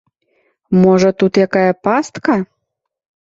Можа, тут якая пастка?